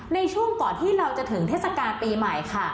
ในช่วงก่อนที่เราจะถึงเทศกาลปีใหม่ค่ะ